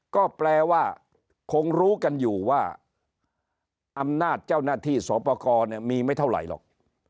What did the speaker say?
ก็แปลว่าคงรู้กันอยู่ว่าอำนาจเจ้าหน้าที่สอปกรมีไม่เท่าไหร่หรอก